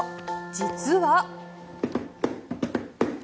実は。